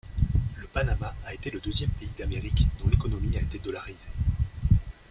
Le Panama a été le deuxième pays d'Amérique dont l'économie a été dollarisée.